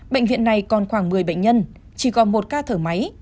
bệnh viện này còn khoảng một mươi bệnh nhân chỉ còn một ca thở máy